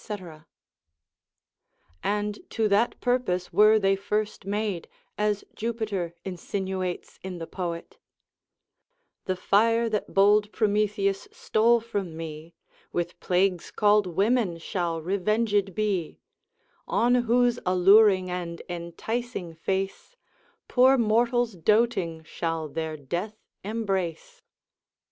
——— And to that purpose were they first made, as Jupiter insinuates in the poet; The fire that bold Prometheus stole from me, With plagues call'd women shall revenged be, On whose alluring and enticing face, Poor mortals doting shall their death embrace.